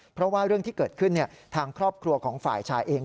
เพราะว่าเรื่องที่เกิดขึ้นทางครอบครัวของฝ่ายชายเอง